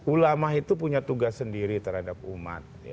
ulama itu punya tugas sendiri terhadap umat